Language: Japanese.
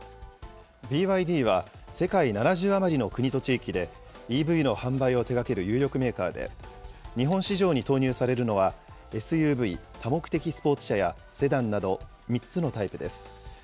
ＢＹＤは世界７０余りの国と地域で、ＥＶの販売を手がける有力メーカーで、日本市場に投入されるのは、ＳＵＶ・多目的スポーツ車やセダンなど、３つのタイプです。